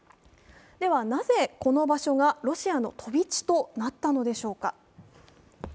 なぜこの場所がロシアの飛び地となったのでしょうか。